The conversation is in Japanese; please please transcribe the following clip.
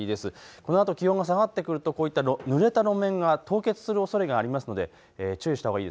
このあと気温が下がってきますとぬれた路面が凍結する可能性がありますので注意してください。